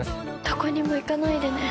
どこにも行かないでね。